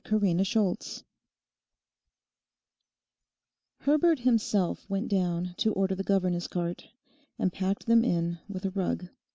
CHAPTER NINETEEN Herbert himself went down to order the governess cart, and packed them in with a rug.